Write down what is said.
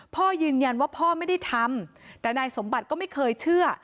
พ่อยืนยันว่าพ่อไม่ได้ทำแต่นายสมบัติก็ไม่เคยเชื่อ